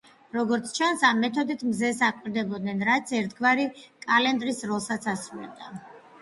როგორც ჩანს, ამ მეთოდით მზეს აკვირდებოდნენ, რაც ერთგვარი კალენდრის როლსაც თამაშობდა.